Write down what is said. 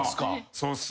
そうっすな